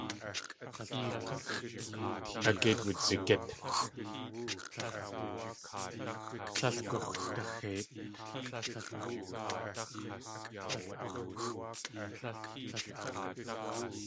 At géit wudzigít.